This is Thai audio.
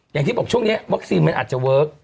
อย่างที่บอกช่วงนี้วัคซีนมันอาจจะเวิร์ค